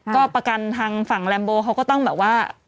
ก็ประกันทางฝั่งแรมโบเขาก็ต้องแบบว่า